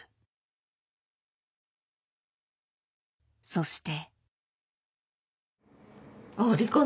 そして。